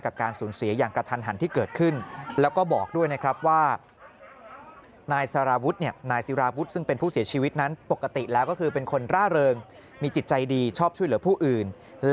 กับการสูญเสียอย่างกระทันหันที่เกิดขึ้น